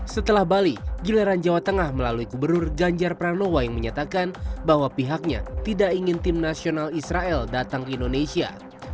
setelah bali giliran jawa tengah melalui gubernur ganjar pranowo yang menyatakan bahwa pihaknya tidak ingin tim nasional israel datang ke indonesia